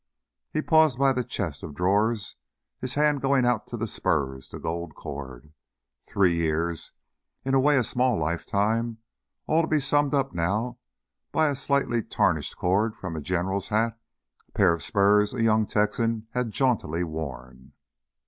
He paused by the chest of drawers, his hand going out to the spurs, the gold cord. Three years in a way a small lifetime all to be summed up now by a slightly tarnished cord from a general's hat, a pair of spurs a young Texan had jauntily worn.